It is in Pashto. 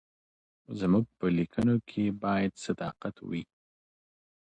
زموږ په لیکنو کې باید صداقت وي.